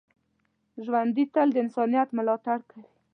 ژوندي تل د انسانیت ملاتړ کوي